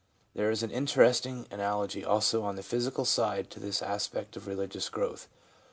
There is an interesting analogy also on the physical side to this aspect of religious growth.